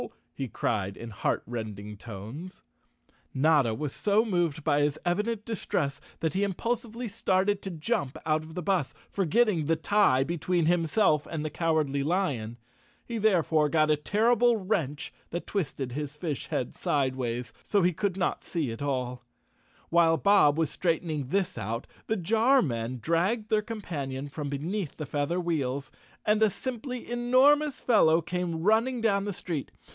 he cried in heart rending tones. 208 Squawmos, the Cooky witch, and Xotta as a Fish — Chapter 16 _ Chapter Sixteen Notta was so moved by his evident distress that he impulsively started to jump out of the bus, forgetting the tie between himself and the Cowardly Lion. He therefore got a terrible wrench that twisted his fish head sideways, so he could not see at all. While Bob was straightening this out, the jar men dragged their companion from beneath the feather wheels, and a simply enormous fellow came running down the street.